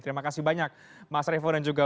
terima kasih banyak mas revo dan juga